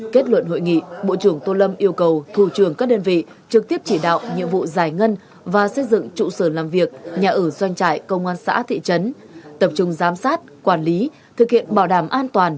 kết luận hội nghị bộ trưởng tô lâm yêu cầu thủ trưởng các đơn vị trực tiếp chỉ đạo nhiệm vụ giải ngân và xây dựng trụ sở làm việc nhà ở doanh trại công an xã thị trấn tập trung giám sát quản lý thực hiện bảo đảm an toàn